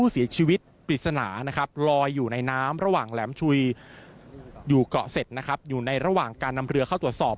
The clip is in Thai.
ที่อยู่เกาะเศษนะครับอยู่ในระหว่างการนำเรือเข้าตรวจสอบ